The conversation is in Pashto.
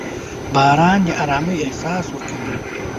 • باران د ارامۍ احساس ورکوي.